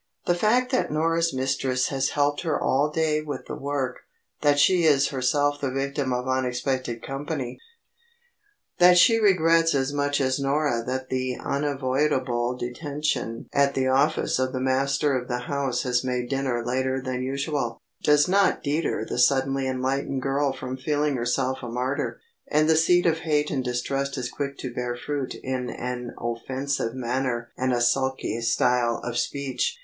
The fact that Norah's mistress has helped her all day with the work, that she is herself the victim of unexpected company, that she regrets as much as Norah can that the unavoidable detention at the office of the master of the house has made dinner later than usual, does not deter the suddenly enlightened girl from feeling herself a martyr, and the seed of hate and distrust is quick to bear fruit in an offensive manner and a sulky style of speech.